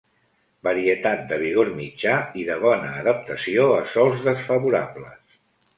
Varietat de vigor mitjà i de bona adaptació a sòls desfavorables.